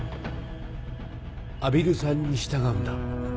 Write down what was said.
阿比留さんに従うんだ。